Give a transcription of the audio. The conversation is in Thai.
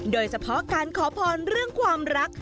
โดยเฉพาะการขอพรเรื่องความรัก